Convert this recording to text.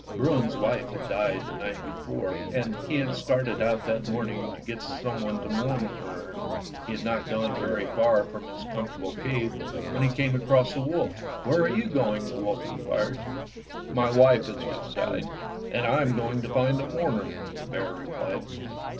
Bruin's wife had died the night before, and he had started out that morning to get some one to mourn over her. He had not gone very far from his comfortable cave when he came across the wolf. "Where are you going?" the wolf in quired. 134 Fairy Tale Foxes "My wife has just died, and I am going to find a mourner," the bear replied.